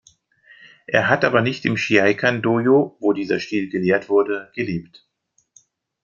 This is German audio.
Er hat aber nicht im "Shieikan-Dōjō", wo dieser Stil gelehrt wurde, gelebt.